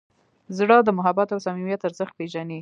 زړه د محبت او صمیمیت ارزښت پېژني.